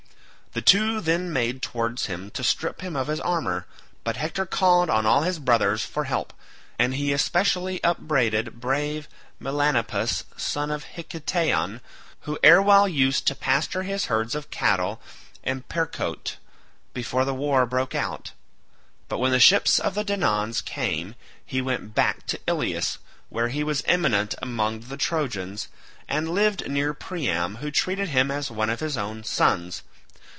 The two then made towards him to strip him of his armour, but Hector called on all his brothers for help, and he especially upbraided brave Melanippus son of Hiketaon, who erewhile used to pasture his herds of cattle in Percote before the war broke out; but when the ships of the Danaans came, he went back to Ilius, where he was eminent among the Trojans, and lived near Priam who treated him as one of his own sons.